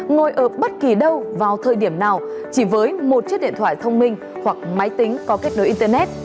ngồi ở bất kỳ đâu vào thời điểm nào chỉ với một chiếc điện thoại thông minh hoặc máy tính có kết nối internet